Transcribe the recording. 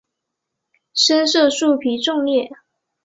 深色树皮纵裂。